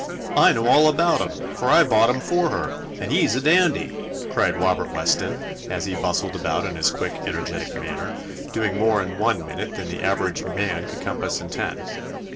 I know all about him, for I bought him for her, and he 's a dandy I" cried Robert Weston, as he bustled about in his quick, energetic manner, doing more in one minute than the average man could compass in ten.